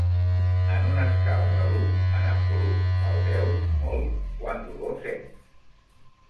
En una escala de l'u (en absolut) al deu (molt), quant dolor sents?